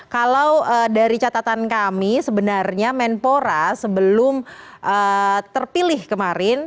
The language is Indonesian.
kalau dari catatan kami sebenarnya menpora sebelum terpilih kemarin